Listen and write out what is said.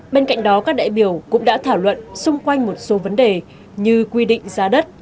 bên cạnh đó các đại biểu cũng đã thảo luận xung quanh một số vấn đề như quy định giá đất